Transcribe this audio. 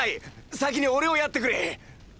先に俺を殺ってくれ！